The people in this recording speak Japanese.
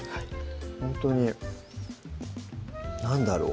ほんとになんだろう